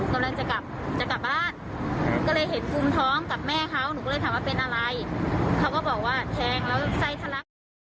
เขาก็บอกว่าแทงแล้วไส้ทะลัก